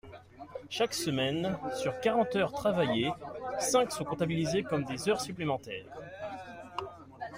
Chaque semaine, sur quarante heures travaillées, cinq sont comptabilisées comme des heures supplémentaires.